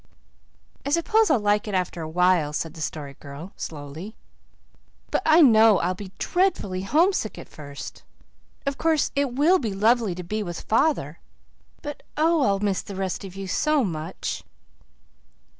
"I suppose I'll like it after a while," said the Story Girl slowly, "but I know I'll be dreadfully homesick at first. Of course, it will be lovely to be with father, but oh, I'll miss the rest of you so much!"